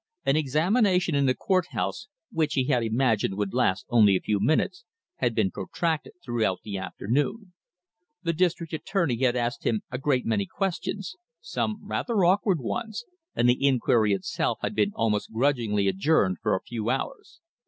An examination in the courthouse, which he had imagined would last only a few minutes, had been protracted throughout the afternoon. The district attorney had asked him a great many questions, some rather awkward ones, and the inquiry itself had been almost grudgingly adjourned for a few hours.